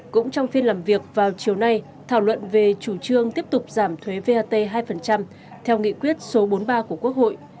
cũng trong phiên làm việc vào chiều nay thảo luận về chủ trương tiếp tục giảm thuế vat hai theo nghị quyết số bốn mươi ba của quốc hội